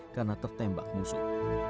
karena tertembak musuh